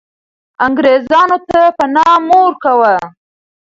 انګریزانو ته پنا مه ورکوه.